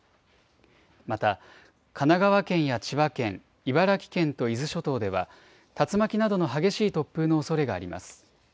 また、神奈川県や千葉県、茨城県と伊豆諸島では、竜巻などの激しい突風のおそれがあります。